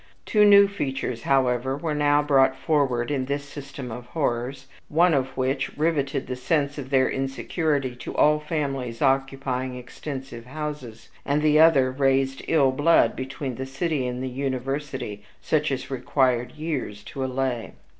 Two new features, however, were now brought forward in this system of horrors, one of which riveted the sense of their insecurity to all families occupying extensive houses, and the other raised ill blood between the city and the university, such as required years to allay.